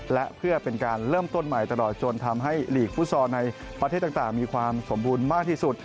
และเพื่อเป็นการเริ่มต้นใหม่ตลอดจนทำให้หลีกฟุตซอลในประเทศต่างมีความสมบูรณ์มากที่สุด